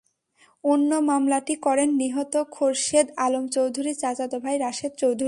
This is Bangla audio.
অন্য মামলাটি করেন নিহত খোরশেদ আলম চৌধুরীর চাচাতো ভাই রাশেদ চৌধুরী।